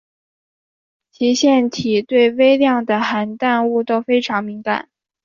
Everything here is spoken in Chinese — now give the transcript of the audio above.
其腺体对微量的含氮物都非常敏感。